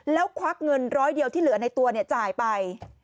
แล้วควักเงินร้อยเดียวที่เหลือในตัวจ่ายไป